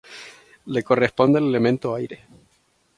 Le corresponde el elemento aire.